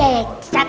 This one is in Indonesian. nadem buaja yudh